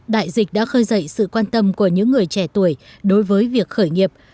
đại dịch đã khơi dậy sự quan tâm của những người trẻ tuổi đối với việc khởi nghiệp